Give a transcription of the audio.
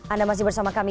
anda masih bersama kami